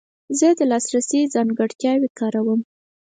زه د لاسرسي ځانګړتیاوې کاروم.